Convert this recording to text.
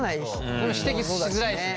でも指摘しづらいしね。